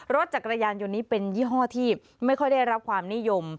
รถจักรยานยนต์นี้เป็นยี่ห้อที่ไม่ค่อยได้รับความนิยม